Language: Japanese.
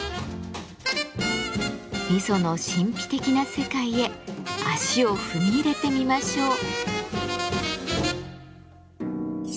味噌の神秘的な世界へ足を踏み入れてみましょう。